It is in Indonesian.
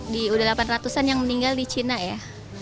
tentu saja ada delapan ratus an yang meninggal di china ya